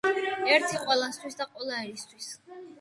ერთი ყველასთვის და ყველა ერთისთვის